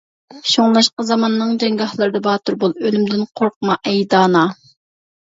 شۇڭلاشقا زاماننىڭ جەڭگاھلىرىدا باتۇر بول، ئۆلۈمدىن قورقما ئەي دانا!